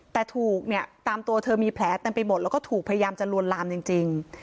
แต่ถูกเนี่ยตามตัวเธอมีแผลเต็มไปหมดแล้วก็ถูกพยายามจะลวนลามจริง